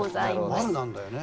悪なんだよね。